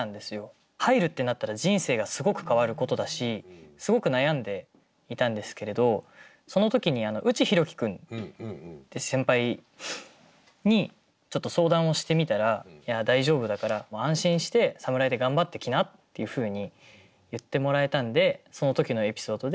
入るってなったら人生がすごく変わることだしすごく悩んでいたんですけれどその時に内博貴君って先輩にちょっと相談をしてみたら「いや大丈夫だからもう安心して侍で頑張ってきな」っていうふうに言ってもらえたんでその時のエピソードで。